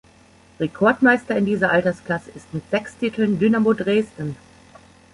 Rekordmeister in dieser Altersklasse ist mit sechs Titeln Dynamo Dresden.